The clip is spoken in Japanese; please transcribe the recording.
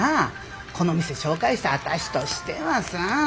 この店紹介した私としてはさ。